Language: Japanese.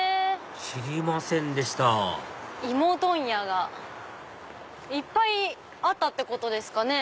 知りませんでした芋問屋がいっぱいあったってことですかね。